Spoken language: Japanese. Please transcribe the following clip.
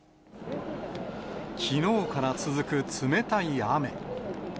きのうから続く冷たい雨。